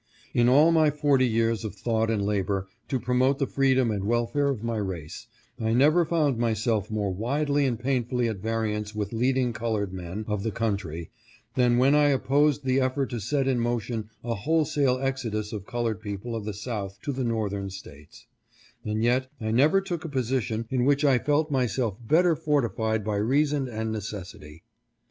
In all my forty years of thought and labor to promote the freedom and welfare of my race, I never found myself more widely and painfully at variance with leading colored men of the country than when I opposed the effort to set in motion a wholesale exodus of colored people of the South to the Northern States; and yet I never took a position in which I felt myself better fortified by reason and necessity.